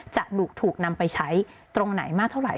จะถูกนำไปใช้ตรงไหนมากเท่าไห